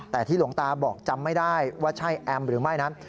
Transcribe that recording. แต่ที่หลวงตาบอกจำไม่ได้ว่าใช่แอมหรือไม่นั้น